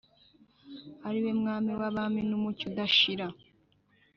Ari we Mwami w'abami N'umucyo udashira.